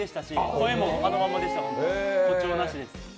声もあのまんまでした、誇張なしです。